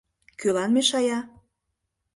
Кӧлан мешая?